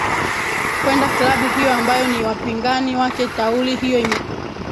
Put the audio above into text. kwenda klabu hiyo ambayo ni wapingani wake tauli hiyo imekuja